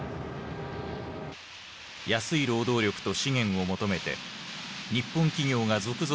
安い労働力と資源を求めて日本企業が続々工場を構えた。